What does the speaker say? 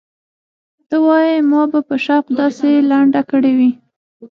ته وايې ما به په شوق داسې لنډه کړې وي.